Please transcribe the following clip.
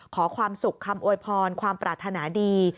ขอความสุขคำอวยพรความปรารถนาดี